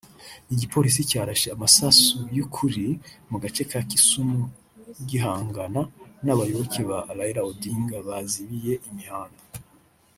Igipolisi cyarashe amasasu y’ukuri mu gace ka Kisumu gihangana n’abayoboke ba Raila Odinga bazibiye imihanda